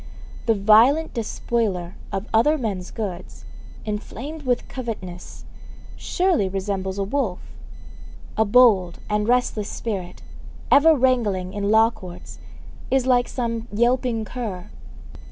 The violent despoiler of other men's goods, enflamed with covetousness, surely resembles a wolf. A bold and restless spirit, ever wrangling in law courts, is like some yelping cur.